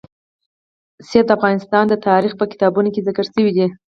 منی د افغان تاریخ په کتابونو کې ذکر شوی دي.